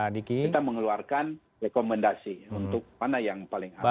dan kita mengeluarkan rekomendasi untuk mana yang paling aman